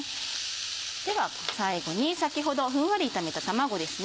では最後に先ほどふんわり炒めた卵ですね。